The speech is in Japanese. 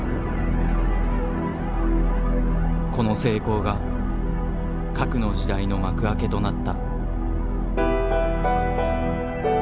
この成功が核の時代の幕開けとなった。